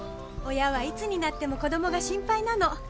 親はいつになっても子供が心配なの。